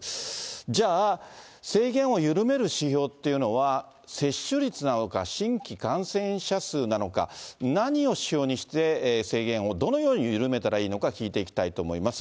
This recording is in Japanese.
じゃあ、制限を緩める指標というのは、接種率なのか、新規感染者数なのか、何を指標にして制限をどのように緩めたらいいのか聞いていきたいと思います。